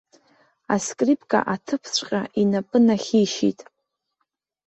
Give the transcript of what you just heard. Аскрипка аҭыԥҵәҟьа инапы нахьишьит.